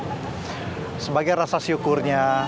tapi sebagai rasa syukurnya